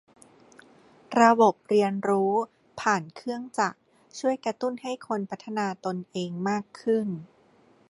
ระบบเรียนรู้ผ่านเครื่องจักรช่วยกระตุ้นให้คนพัฒนาตนเองมากขึ้น